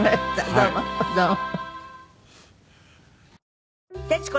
どうもどうも。